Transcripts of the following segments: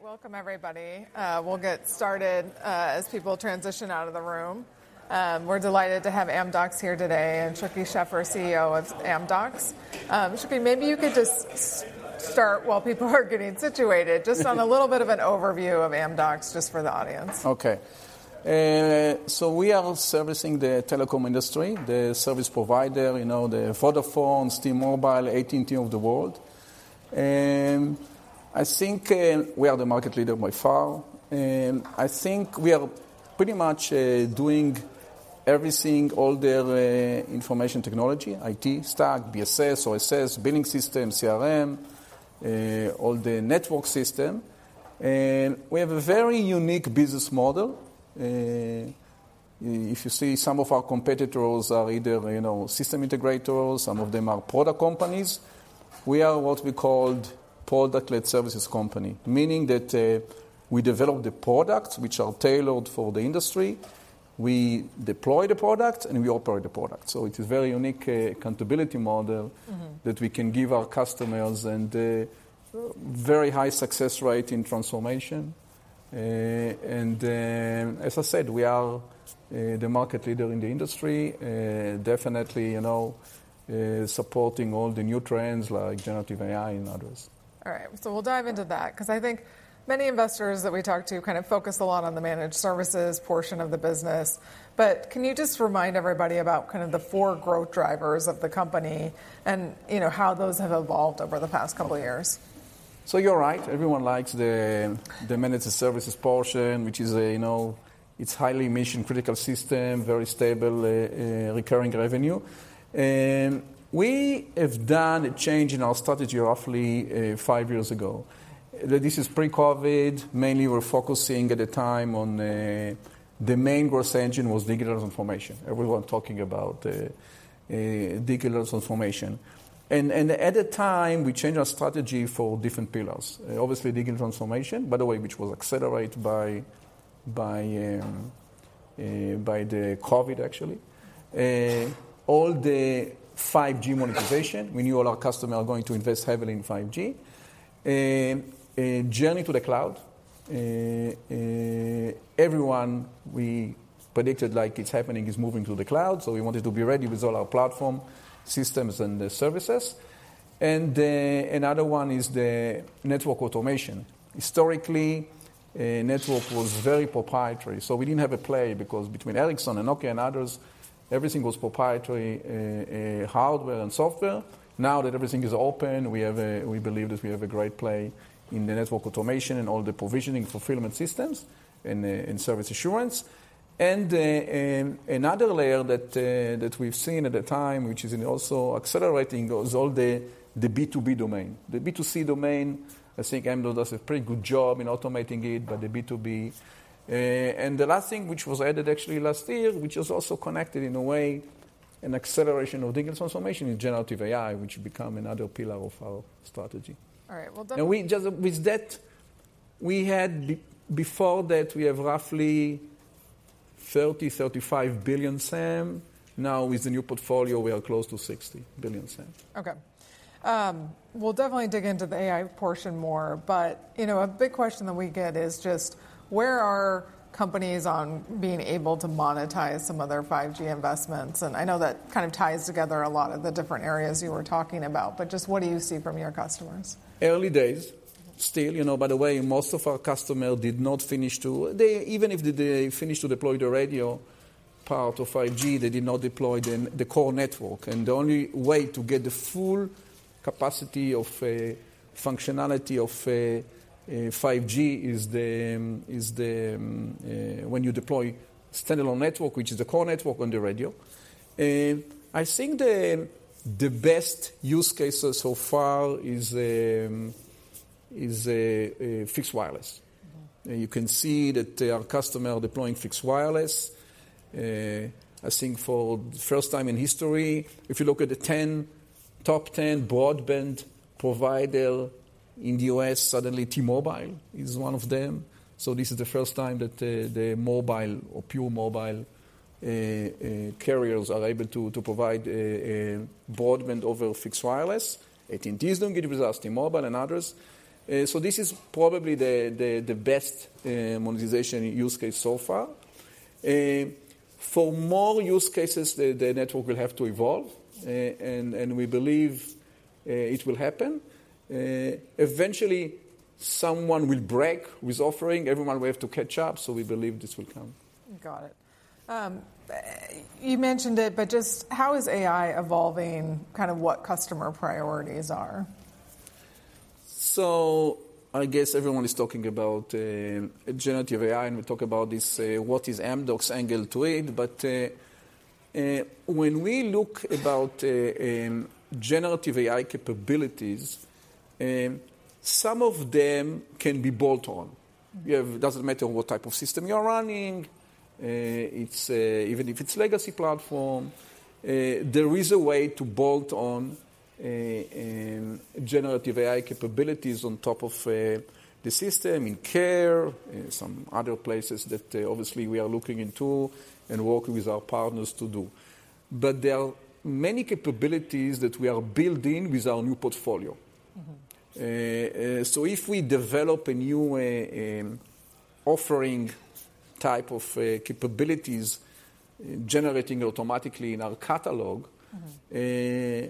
All right, welcome everybody. We'll get started as people transition out of the room. We're delighted to have Amdocs here today, and Shuky Sheffer, CEO of Amdocs. Shuky, maybe you could just start while people are getting situated, just on a little bit of an overview of Amdocs, just for the audience. Okay. So we are servicing the telecom industry, the service provider, you know, the Vodafone, T-Mobile, AT&T of the world. And I think, we are the market leader by far, and I think we are pretty much, doing everything, all the, information technology, IT stack, BSS, OSS, billing system, CRM, all the network system. And we have a very unique business model. If you see, some of our competitors are either, you know, system integrators, some of them are product companies. We are what we called product-led services company, meaning that, we develop the products which are tailored for the industry. We deploy the product, and we operate the product. So it is very unique, accountability model- Mm-hmm. that we can give our customers, and a very high success rate in transformation. And then, as I said, we are the market leader in the industry, definitely, you know, supporting all the new trends like generative AI and others. All right, so we'll dive into that, 'cause I think many investors that we talk to kind of focus a lot on the managed services portion of the business. But can you just remind everybody about kind of the four growth drivers of the company and, you know, how those have evolved over the past couple of years? So you're right, everyone likes the managed services portion, which is a, you know, it's highly mission-critical system, very stable, recurring revenue. And we have done a change in our strategy roughly five years ago. That this is pre-COVID. Mainly, we're focusing at the time on the main growth engine was digital transformation. Everyone talking about digital transformation. And at the time, we changed our strategy for different pillars. Obviously, digital transformation, by the way, which was accelerated by the COVID, actually. All the 5G monetization, we knew all our customers are going to invest heavily in 5G. Journey to the cloud. Everyone we predicted, like it's happening, is moving to the cloud, so we wanted to be ready with all our platform, systems and the services. Another one is the network automation. Historically, network was very proprietary, so we didn't have a play because between Ericsson, Nokia and others, everything was proprietary, hardware and software. Now that everything is open, we believe that we have a great play in the network automation and all the provisioning fulfillment systems and in service assurance. Another layer that we've seen at the time, which is also accelerating, is all the B2B domain. The B2C domain, I think Amdocs does a pretty good job in automating it, but the B2B... The last thing, which was added actually last year, which is also connected in a way, an acceleration of digital transformation is generative AI, which become another pillar of our strategy. All right, well, With that, before that, we had roughly $30 billion-$35 billion SAM. Now, with the new portfolio, we are close to $60 billion SAM. Okay. We'll definitely dig into the AI portion more, but, you know, a big question that we get is just: Where are companies on being able to monetize some of their 5G investments? And I know that kind of ties together a lot of the different areas you were talking about, but just what do you see from your customers? Early days. Still, you know, by the way, most of our customer did not finish to. Even if they finished to deploy the radio part of 5G, they did not deploy the core network. The only way to get the full capacity of functionality of 5G is when you deploy standalone network, which is the core network on the radio. I think the best use cases so far is fixed wireless. Mm-hmm. You can see that our customers are deploying fixed wireless. I think for the first time in history, if you look at the top 10 broadband providers in the U.S., suddenly T-Mobile is one of them. So this is the first time that the mobile or pure mobile carriers are able to provide broadband over Fixed Wireless. AT&T is doing it with us, T-Mobile and others. So this is probably the best monetization use case so far. For more use cases, the network will have to evolve, and we believe it will happen. Eventually, someone will break with offering, everyone will have to catch up, so we believe this will come. Got it. You mentioned it, but just how is AI evolving, kind of what customer priorities are? So I guess everyone is talking about generative AI, and we talk about this, what is Amdocs' angle to it? But when we look about generative AI capabilities, some of them can be built on. Mm-hmm. You have— It doesn't matter what type of system you are running, it's even if it's legacy platform, there is a way to build on generative AI capabilities on top of the system and care, in some other places that obviously we are looking into and working with our partners to do. But there are many capabilities that we are building with our new portfolio... so if we develop a new offering type of capabilities generating automatically in our catalog- Mm-hmm.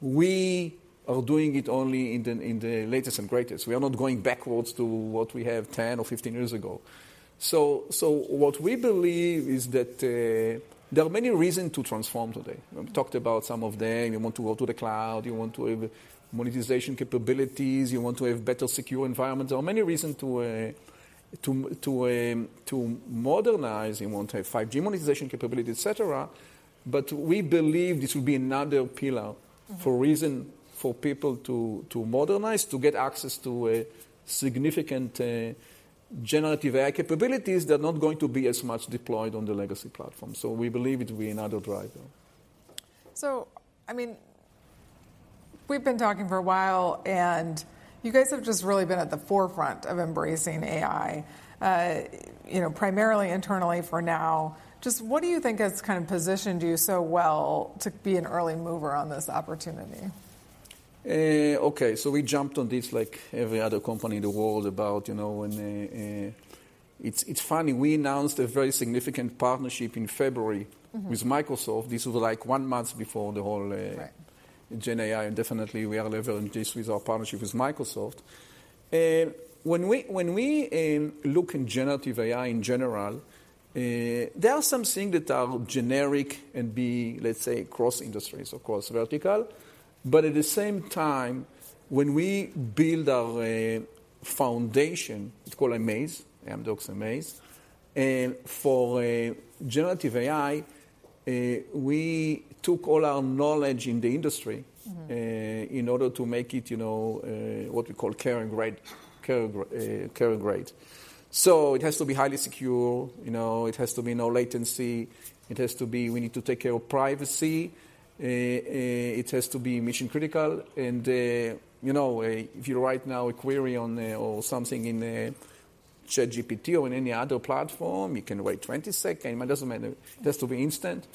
We are doing it only in the latest and greatest. We are not going backwards to what we have 10 or 15 years ago. So what we believe is that there are many reason to transform today. We talked about some of them. You want to go to the cloud, you want to have monetization capabilities, you want to have better secure environment. There are many reason to modernize. You want to have 5G monetization capability, et cetera. But we believe this will be another pillar- Mm. a reason for people to modernize, to get access to a significant generative AI capabilities that are not going to be as much deployed on the legacy platform. So we believe it will be another driver. So, I mean, we've been talking for a while, and you guys have just really been at the forefront of embracing AI, you know, primarily internally for now. Just what do you think has kind of positioned you so well to be an early mover on this opportunity? Okay, so we jumped on this like every other company in the world about, you know, when... It's, it's funny, we announced a very significant partnership in February- Mm-hmm. - with Microsoft. This was, like, one month before the whole, Right ... Gen AI. Definitely, we are leveraging this with our partnership with Microsoft. When we look in generative AI in general, there are some things that are generic and be, let's say, cross-industries, of course, vertical. But at the same time, when we build our foundation, it's called amAIz, Amdocs amAIz, for generative AI, we took all our knowledge in the industry- Mm. In order to make it, you know, what we call carrier-grade, carrier, carrier-grade. So it has to be highly secure, you know. It has to be no latency. It has to be... We need to take care of privacy. It has to be mission-critical. And, you know, if you write now a query on, or something in the ChatGPT or in any other platform, you can wait 20 seconds. It doesn't matter. It has to be instant.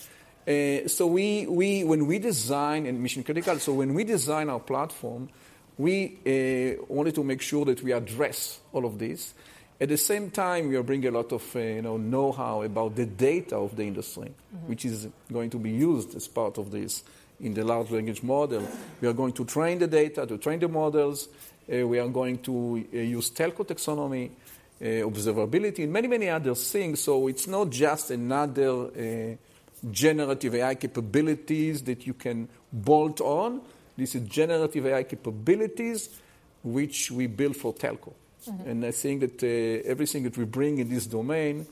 So when we design our platform, we wanted to make sure that we address all of these. At the same time, we are bringing a lot of, you know, know-how about the data of the industry- Mm-hmm. - which is going to be used as part of this in the large language model. We are going to train the data, to train the models. We are going to use telco taxonomy, observability, and many, many other things. So it's not just another generative AI capabilities that you can bolt on. This is generative AI capabilities which we build for telco. Mm-hmm. I think that everything that we bring in this domain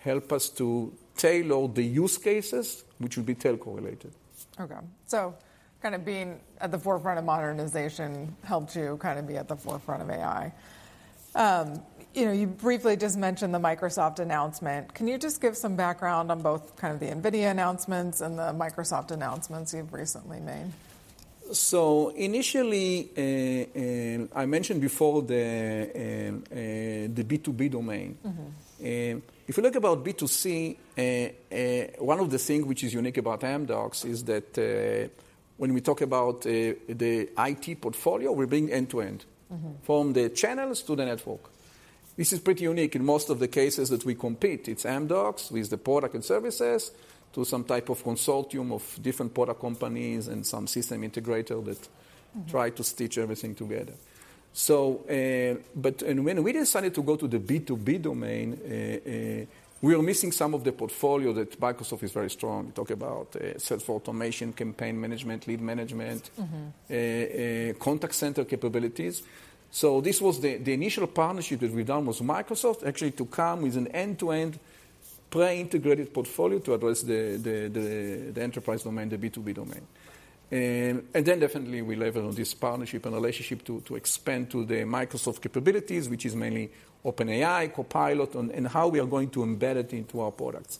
help us to tailor the use cases, which will be telco-related. Okay. So kind of being at the forefront of modernization helped you kind of be at the forefront of AI. You know, you briefly just mentioned the Microsoft announcement. Can you just give some background on both kind of the NVIDIA announcements and the Microsoft announcements you've recently made? Initially, I mentioned before the B2B domain. Mm-hmm. If you look about B2C, one of the things which is unique about Amdocs is that, when we talk about the IT portfolio, we bring end-to-end- Mm-hmm... from the channels to the network. This is pretty unique in most of the cases that we compete. It's Amdocs with the product and services, to some type of consortium of different product companies and some system integrator that- Mm... try to stitch everything together. So, but and when we decided to go to the B2B domain, we were missing some of the portfolio that Microsoft is very strong. Talk about, sales automation, campaign management, lead management- Mm-hmm... contact center capabilities. So this was the initial partnership that we done with Microsoft, actually, to come with an end-to-end pre-integrated portfolio to address the enterprise domain, the B2B domain. And then definitely we lever on this partnership and relationship to expand to the Microsoft capabilities, which is mainly OpenAI, Copilot, and how we are going to embed it into our products.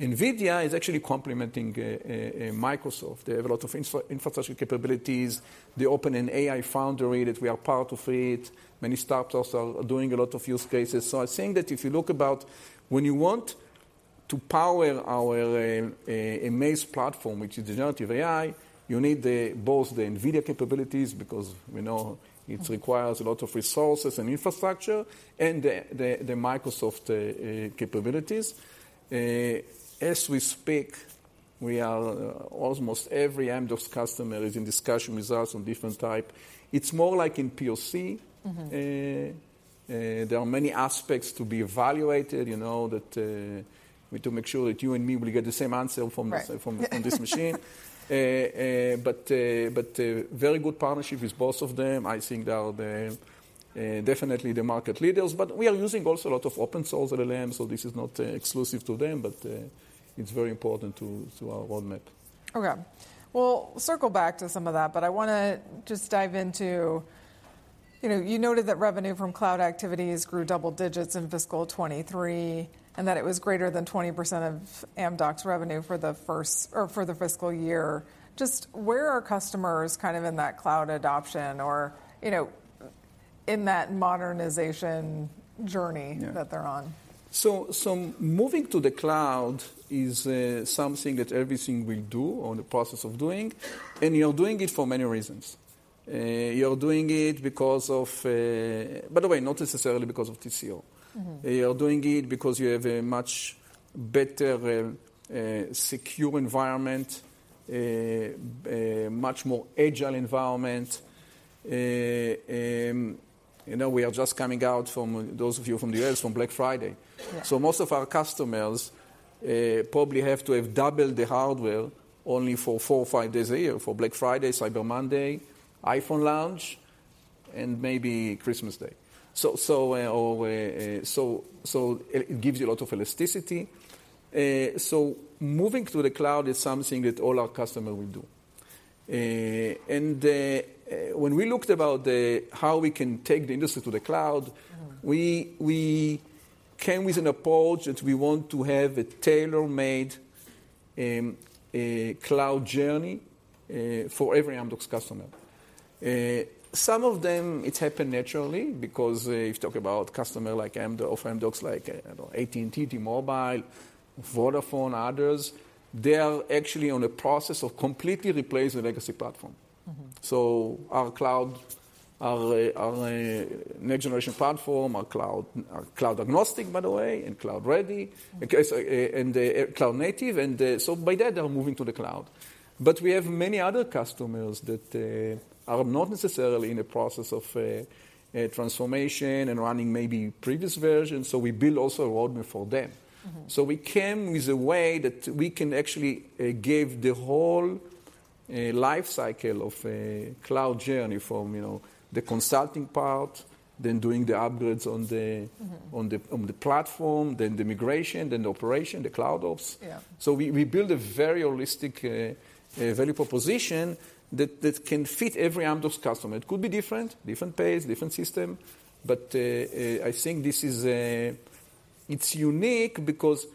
NVIDIA is actually complementing Microsoft. They have a lot of infrastructure capabilities. They open an AI foundry that we are part of it. Many startups are doing a lot of use cases. So I think that if you look about when you want to power our amAIz platform, which is generative AI, you need both the NVIDIA capabilities, because we know- Mm... it requires a lot of resources and infrastructure, and the Microsoft capabilities. As we speak, we are, almost every Amdocs customer is in discussion with us on different type. It's more like in POC. Mm-hmm. There are many aspects to be evaluated, you know, that, we to make sure that you and me will get the same answer from this- Right. From this machine. But very good partnership with both of them. I think they are definitely the market leaders. But we are using also a lot of open source LLM, so this is not exclusive to them, but it's very important to our roadmap. Okay. We'll circle back to some of that, but I wanna just dive into... You know, you noted that revenue from cloud activities grew double digits in fiscal 2023, and that it was greater than 20% of Amdocs' revenue for the first or for the fiscal year. Just where are customers kind of in that cloud adoption or, you know, in that modernization journey- Yeah. that they're on? So moving to the cloud is something that everything we do, or in the process of doing, and you're doing it for many reasons. You're doing it because of... By the way, not necessarily because of TCO. Mm-hmm. You're doing it because you have a much better secure environment, a much more agile environment. You know, we are just coming out from, those of you from the U.S., from Black Friday. Yeah. So most of our customers probably have to have doubled the hardware only for four or five days a year, for Black Friday, Cyber Monday, iPhone launch, and maybe Christmas Day. So it gives you a lot of elasticity. So moving to the cloud is something that all our customer will do. And when we looked about how we can take the industry to the cloud. Mm. We came with an approach that we want to have a tailor-made cloud journey for every Amdocs customer. Some of them, it happened naturally because if you talk about customers of Amdocs, like, I don't know, AT&T, T-Mobile, Vodafone, others, they are actually on a process of completely replacing the legacy platform. Mm-hmm. So our cloud, our next generation platform, are cloud agnostic, by the way, and cloud ready. Mm. Okay, so cloud native, so by that, they are moving to the cloud. But we have many other customers that are not necessarily in the process of a transformation and running maybe previous versions, so we build also a roadmap for them. Mm-hmm. So we came with a way that we can actually give the whole life cycle of a cloud journey from, you know, the consulting part, then doing the upgrades on the- Mm-hmm... on the platform, then the migration, then the operation, the CloudOps. Yeah. So we build a very holistic value proposition that can fit every Amdocs customer. It could be different pace, different system, but I think this is... It's unique because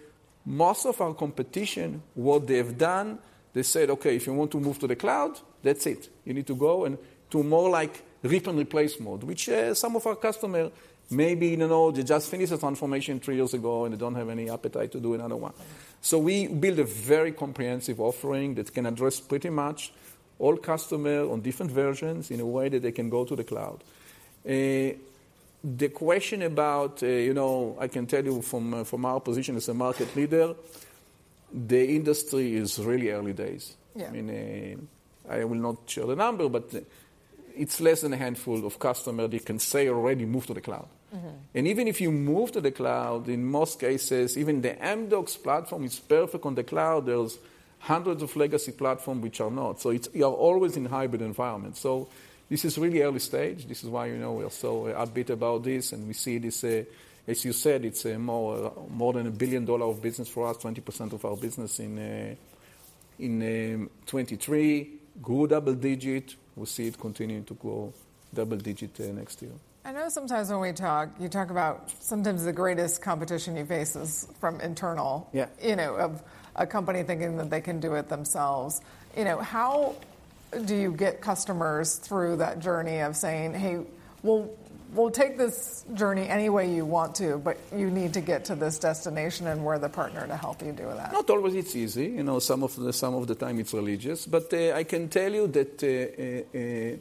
most of our competition, what they have done, they said, "Okay, if you want to move to the cloud, that's it. You need to go," and to more like rip and replace mode, which some of our customer, maybe, you know, they just finished the transformation three years ago, and they don't have any appetite to do another one. Mm. We build a very comprehensive offering that can address pretty much all customer on different versions in a way that they can go to the cloud. The question about, you know, I can tell you from, from our position as a market leader, the industry is really early days. Yeah. I mean, I will not share the number, but it's less than a handful of customer they can say already moved to the cloud. Mm-hmm. Even if you move to the cloud, in most cases, even the Amdocs platform is perfect on the cloud, there's hundreds of legacy platform which are not. You are always in hybrid environment. This is really early stage. This is why, you know, we are so upbeat about this, and we see this, as you said, it's more than $1 billion of business for us, 20% of our business in 2023. Grow double digit. We see it continuing to grow double digit next year. I know sometimes when we talk, you talk about sometimes the greatest competition you face is from internal- Yeah... you know, of a company thinking that they can do it themselves. You know, how do you get customers through that journey of saying, "Hey, well, we'll take this journey any way you want to, but you need to get to this destination, and we're the partner to help you do that? Not always it's easy. You know, some of the time it's religious, but I can tell you that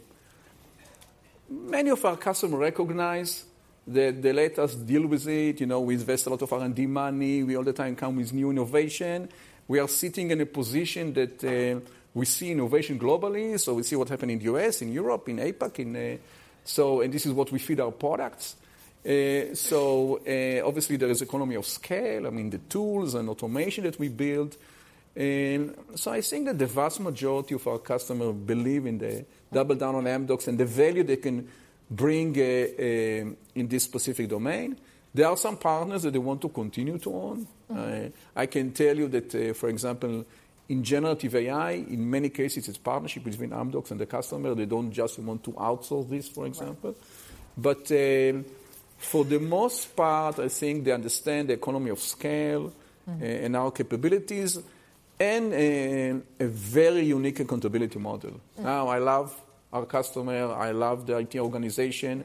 many of our customer recognize that they let us deal with it. You know, we invest a lot of R&D money. We all the time come with new innovation. We are sitting in a position that we see innovation globally, so we see what's happening in the U.S., in Europe, in APAC. So, and this is what we feed our products. So, obviously, there is economy of scale, I mean, the tools and automation that we build. And so I think that the vast majority of our customer believe in the double down on Amdocs and the value they can bring in this specific domain. There are some partners that they want to continue to own. Mm. I can tell you that, for example, in generative AI, in many cases, it's partnership between Amdocs and the customer. They don't just want to outsource this, for example. Mm. But, for the most part, I think they understand the economy of scale- Mm... and our capabilities and, a very unique accountability model. Mm. Now, I love our customer, I love the IT organization,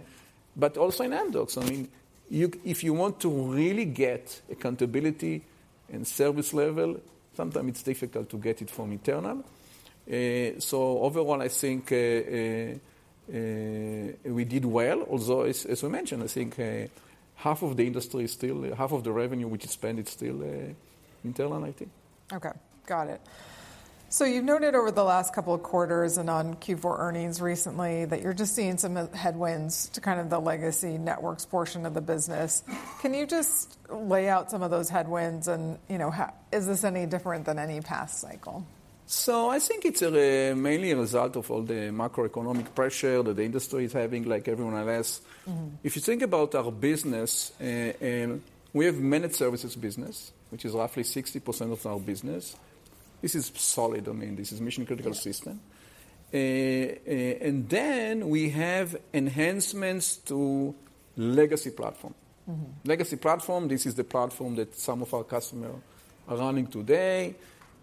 but also in Amdocs. I mean, if you want to really get accountability and service level, sometimes it's difficult to get it from internal. So overall, I think we did well, although, as I mentioned, I think half of the industry is still, half of the revenue which is spent is still internal IT. Okay, got it. So you've noted over the last couple of quarters and on Q4 earnings recently, that you're just seeing some headwinds to kind of the legacy networks portion of the business. Can you just lay out some of those headwinds and, you know, how... Is this any different than any past cycle? I think it's mainly a result of all the macroeconomic pressure that the industry is having, like everyone else. Mm. If you think about our business, we have managed services business, which is roughly 60% of our business. This is solid. I mean, this is mission-critical system. Yeah. And then we have enhancements to legacy platform. Mm-hmm. Legacy platform, this is the platform that some of our customer are running today,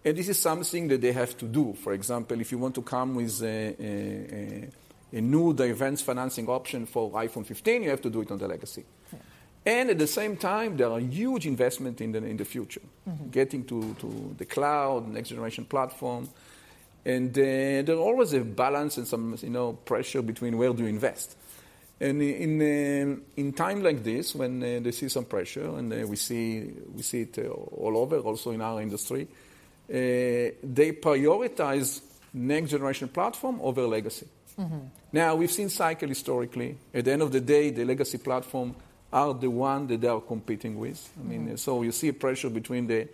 and this is something that they have to do. For example, if you want to come with a new device financing option for iPhone 15, you have to do it on the legacy. Right. At the same time, there are huge investment in the future- Mm-hmm. Getting to the cloud, next generation platform, and there's always a balance and some, you know, pressure between where do you invest. And in time like this, when they see some pressure, and we see it all over, also in our industry, they prioritize next generation platform over legacy. Mm-hmm. Now, we've seen cycle historically. At the end of the day, the legacy platform are the one that they are competing with. Mm-hmm. I mean, so you see a pressure between the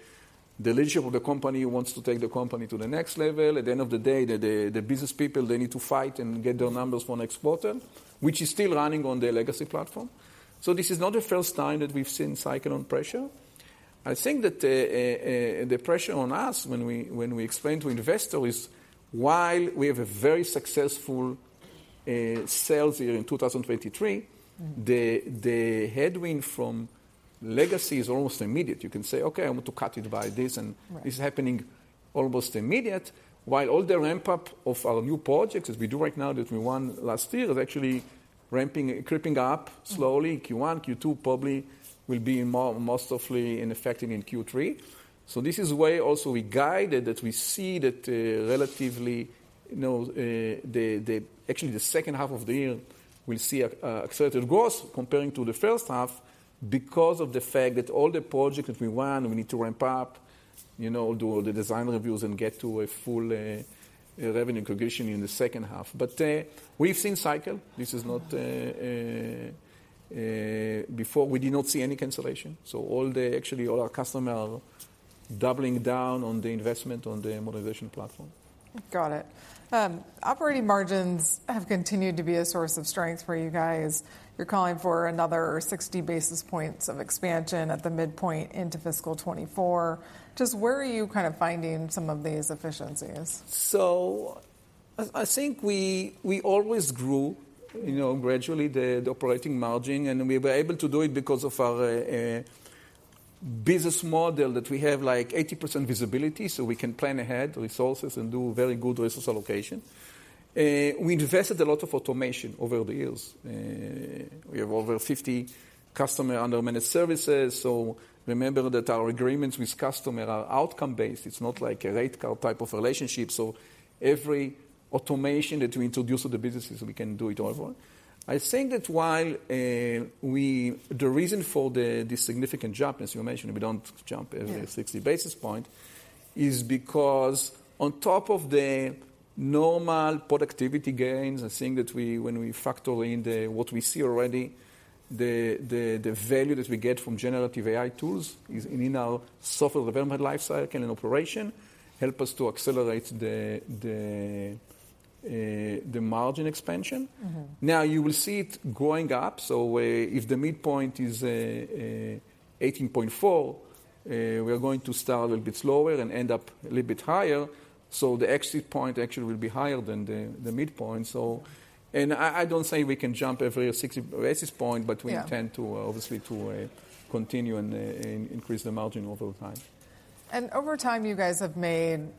leadership of the company who wants to take the company to the next level. At the end of the day, the business people, they need to fight and get their numbers for next quarter, which is still running on their legacy platform. So this is not the first time that we've seen cycle on pressure. I think that the pressure on us when we explain to investor is, while we have a very successful sales year in 2023- Mm. the headwind from legacy is almost immediate. You can say, "Okay, I want to cut it by this," and- Right... this is happening almost immediate. While all the ramp up of our new projects, as we do right now, that we won last year, is actually ramping... creeping up slowly, Q1, Q2 probably will be more softly in effect in Q3. So this is why also we guided, that we see that, relatively, you know, the actually, the second half of the year will see a certain growth comparing to the first half because of the fact that all the project that we won, we need to ramp up, you know, do all the design reviews and get to a full revenue recognition in the second half. But, we've seen cycle. This is not... Before, we did not see any cancellation, so actually, all our customers are doubling down on the investment on the modernization platform. Got it. Operating margins have continued to be a source of strength for you guys. You're calling for another 60 basis points of expansion at the midpoint into fiscal 2024. Just where are you kind of finding some of these efficiencies? So I think we always grew, you know, gradually, the operating margin, and we were able to do it because of our business model, that we have, like, 80% visibility, so we can plan ahead resources and do very good resource allocation. We invested a lot of automation over the years. We have over 50 customer under managed services, so remember that our agreements with customer are outcome-based. It's not like a rate card type of relationship, so every automation that we introduce to the businesses, we can do it over. I think that while the reason for the significant jump, as you mentioned, we don't jump every- Yeah... 60 basis points, is because on top of the normal productivity gains and seeing that we, when we factor in what we see already, the value that we get from generative AI tools is in our software development lifecycle and operation, help us to accelerate the margin expansion. Mm-hmm. Now, you will see it going up, so if the midpoint is $18.4, we are going to start a little bit slower and end up a little bit higher, so the exit point actually will be higher than the midpoint. So... And I don't say we can jump every 60 basis points- Yeah... but we intend to, obviously, continue and increase the margin over time. Over time, you guys have made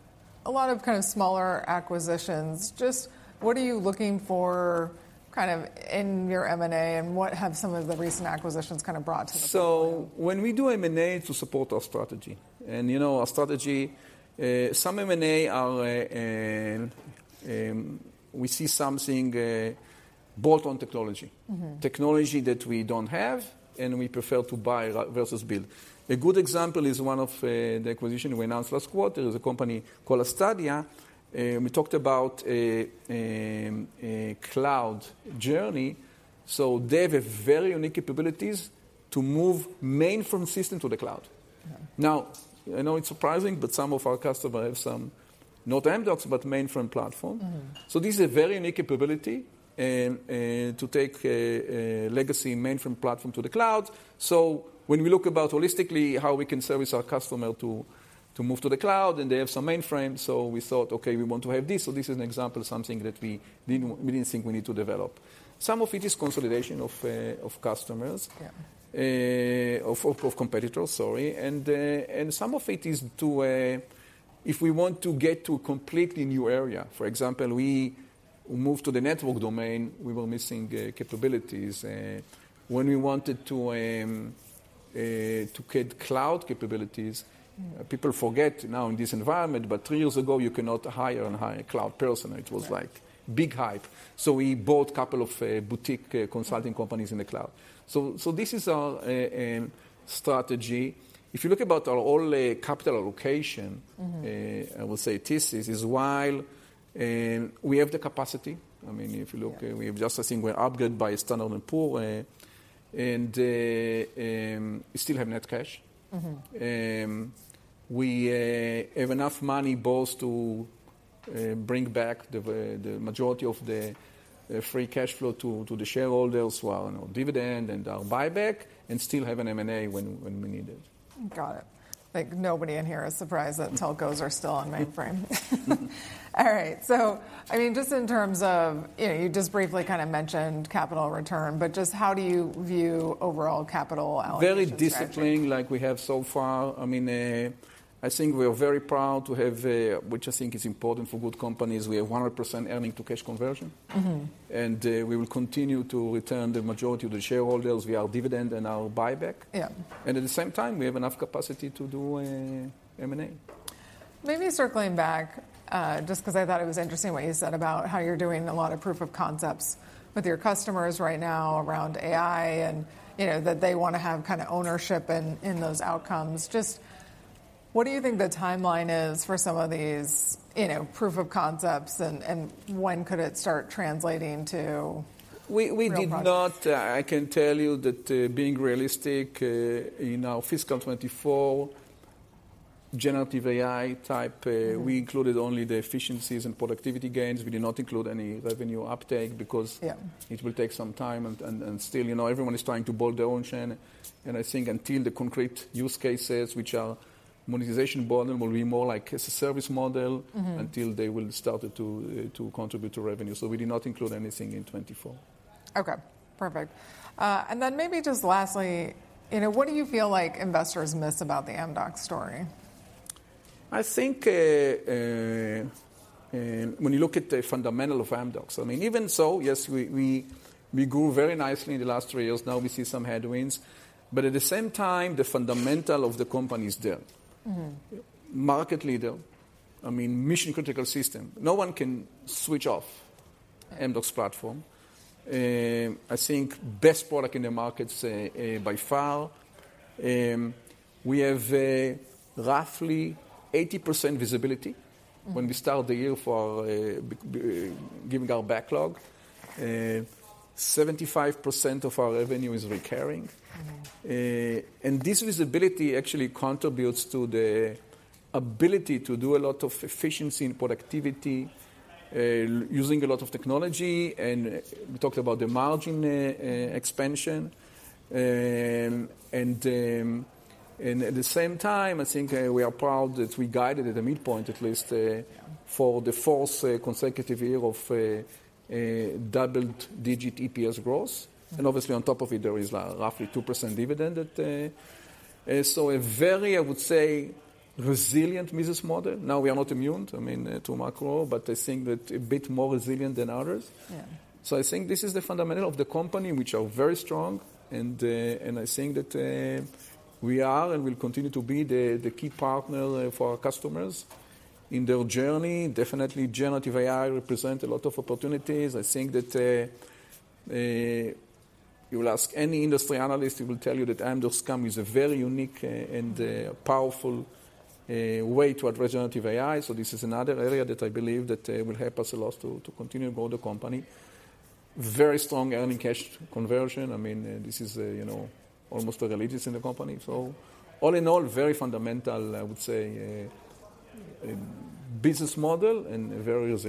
a lot of kind of smaller acquisitions. Just what are you looking for, kind of in your M&A, and what have some of the recent acquisitions kind of brought to the table? So when we do M&A to support our strategy, and you know, our strategy, some M&A are, we see something, bolt-on technology. Mm-hmm. Technology that we don't have, and we prefer to buy versus build. A good example is one of the acquisition we announced last quarter, is a company called Astadia. And we talked about a cloud journey, so they have a very unique capabilities to move mainframe system to the cloud. Mm. Now, I know it's surprising, but some of our customer have some, not Amdocs, but mainframe platform. Mm-hmm. So this is a very unique capability to take a legacy mainframe platform to the cloud. So when we look about holistically, how we can service our customer to move to the cloud, and they have some mainframe, so we thought, "Okay, we want to have this." So this is an example of something that we didn't think we need to develop. Some of it is consolidation of customers- Yeah... of competitors, sorry. And some of it is to, if we want to get to a completely new area, for example, we move to the network domain, we were missing capabilities. When we wanted to to get cloud capabilities, people forget now in this environment, but three years ago, you cannot hire and hire a cloud person. Right. It was like big hype. So we bought couple of boutique consulting companies in the cloud. So, so this is our strategy. If you look about our all capital allocation- Mm-hmm... I would say this is while we have the capacity, I mean, if you look- Yeah... we have just, I think, we're upgraded by Standard & Poor's, and we still have net cash. Mm-hmm. We have enough money both to bring back the majority of the free cash flow to the shareholders who are on our dividend and our buyback, and still have an M&A when we need it. Got it. Like, nobody in here is surprised that telcos are still on mainframe. All right. So, I mean, just in terms of... You know, you just briefly kind of mentioned capital return, but just how do you view overall capital allocation strategy? Very disciplined, like we have so far. I mean, I think we are very proud to have, which I think is important for good companies, we have 100% earnings to cash conversion. Mm-hmm. We will continue to return the majority of the shareholders via our dividend and our buyback. Yeah. At the same time, we have enough capacity to do M&A. Maybe circling back, just 'cause I thought it was interesting what you said about how you're doing a lot of proof of concepts with your customers right now around AI and, you know, that they wanna have kind of ownership in those outcomes. Just what do you think the timeline is for some of these, you know, proof of concepts and when could it start translating to- We- real projects? We did not... I can tell you that, being realistic, in our fiscal 2024 generative AI type- Mm-hmm. We included only the efficiencies and productivity gains. We did not include any revenue uptake because Yeah... it will take some time, and still, you know, everyone is trying to build their own chain. And I think until the concrete use cases, which are monetization model, will be more like a service model- Mm-hmm... until they will start to contribute to revenue. So we did not include anything in 2024. Okay. Perfect. And then maybe just lastly, you know, what do you feel like investors miss about the Amdocs story? I think, when you look at the fundamental of Amdocs, I mean, even so, yes, we grew very nicely in the last three years. Now we see some headwinds, but at the same time, the fundamental of the company is there. Mm-hmm. Market leader, I mean, mission-critical system. No one can switch off Amdocs platform. I think best product in the market, by far. We have, roughly 80% visibility- Mm... when we start the year for giving our backlog. 75% of our revenue is recurring. Mm. And this visibility actually contributes to the ability to do a lot of efficiency and productivity, using a lot of technology. And we talked about the margin expansion. And at the same time, I think, we are proud that we guided at the midpoint at least, for the fourth consecutive year of double-digit EPS growth. Mm. Obviously, on top of it, there is roughly 2% dividend that. So a very, I would say, resilient business model. Now, we are not immune, I mean, to macro, but I think that a bit more resilient than others. Yeah. So I think this is the fundamental of the company, which are very strong, and, and I think that, we are and will continue to be the key partner for our customers in their journey. Definitely, generative AI represent a lot of opportunities. I think that, you will ask any industry analyst, he will tell you that Amdocs company is a very unique, and, powerful, way to address generative AI. So this is another area that I believe that, will help us a lot to continue to grow the company. Very strong earning cash conversion. I mean, this is, you know, almost a religious in the company. So all in all, very fundamental, I would say, business model and a very re-